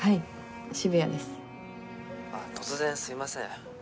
「突然すいません」